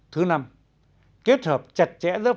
thứ năm kết hợp chặt chẽ giữa phòng chống tham dũng